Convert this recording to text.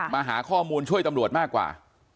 มาหาข้อมูลช่วยตำรวจมากกว่า